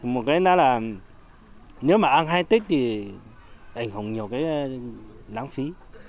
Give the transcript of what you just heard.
một cái đó là nếu mà ăn hai tết thì ảnh hưởng nhiều cái náng phí